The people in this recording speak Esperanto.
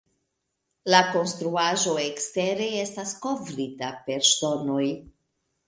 La konstruaĵo ekstere estas kovrita per ŝtonoj.